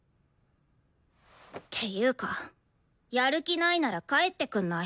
ていうかやる気ないなら帰ってくんない？